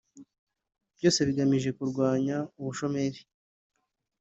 byose bigamije kurwanya ubushomeri